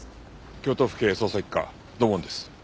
京都府警捜査一課土門です。